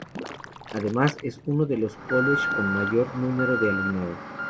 Además, es uno de los colleges con mayor número de alumnado.